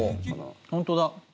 本当だ。